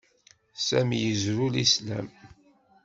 Sami yezrew Lislam.